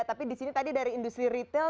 tapi di sini tadi dari industri retail